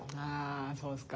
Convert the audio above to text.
そうですか。